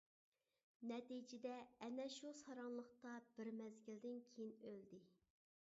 نەتىجىدە ئەنە شۇ ساراڭلىقتا بىر مەزگىلدىن كىيىن ئۆلدى.